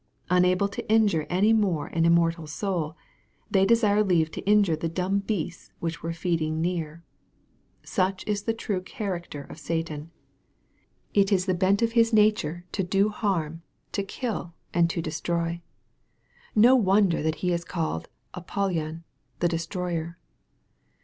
Unable to injure any more an immortal soul, they desired leave to injure the dumb beasts whict were feeding near. Such is the true character of Satan It is the bent of his nature to dc MARK, CHAP. V. 91 harm, to kill, and to destroy. No wonder that he is called Apollyon, the destroyer.